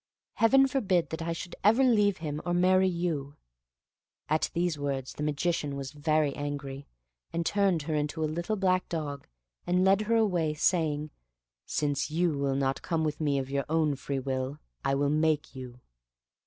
Heaven forbid that I should ever leave him, or marry yon." At these words the Magician was very angry, and turned her into a little black dog, and led her away; saying, "Since yon will not come with me of your own free will, I will make you."